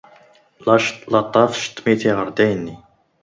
Lac attaf cetmiti ɣel dynni.